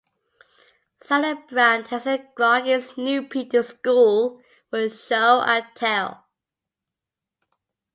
Sally Brown takes a groggy Snoopy to school for Show and Tell.